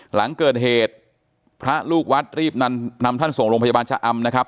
หลังเกิดเหตุพระลูกวัดรีบนำท่านส่งโรงพยาบาลชะอำนะครับ